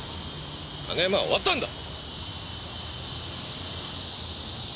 あのヤマは終わったんだ！